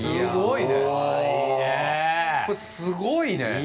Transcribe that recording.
すごいねぇ。